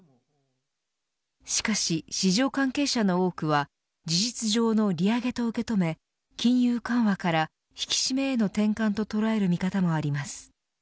しかし市場関係者の多くは事実上の利上げと受け止め金融緩和から引き締めへの転換と捉える見方もあります。